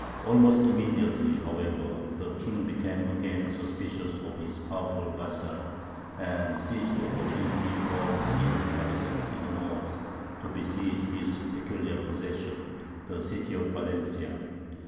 Almost immediately, however, the king became again suspicious of his powerful vassal, and seized the opportunity of the Cid's absence in the north to besiege his peculiar possession, the city of Valencia.